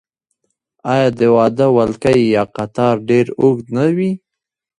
آیا د واده ولکۍ یا قطار ډیر اوږد نه وي؟